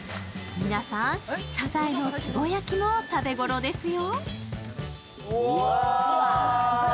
皆さん、サザエのつぼ焼きも食べ頃ですよ。